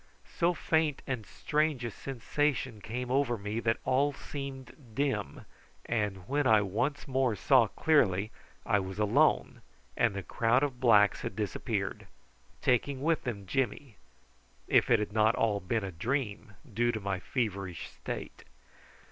So faint and strange a sensation came over me that all seemed dim, and when I once more saw clearly I was alone and the crowd of blacks had disappeared, taking with them Jimmy if it had not all been a dream due to my feverish state.